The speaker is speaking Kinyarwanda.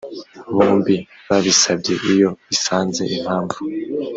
bombi babisabye iyo isanze impamvu